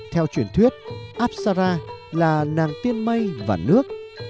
theo truyền thuyết apsara là nàng tiên mây và nước